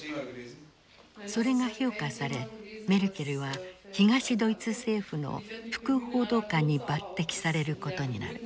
それが評価されメルケルは東ドイツ政府の副報道官に抜てきされることになる。